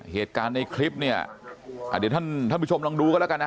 เหตุการณ์ในคลิปเนี่ยเดี๋ยวท่านท่านผู้ชมลองดูกันแล้วกันนะ